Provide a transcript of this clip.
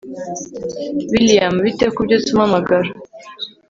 william bite ko ubyutse umpamagara